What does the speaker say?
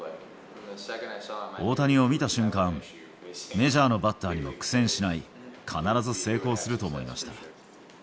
大谷を見た瞬間、メジャーのバッターにも苦戦しない、必ず成功すると思いました。